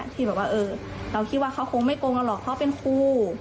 ที่เราคิดว่าเขาคงไม่โกงกันหรอกเขาเป็นคู่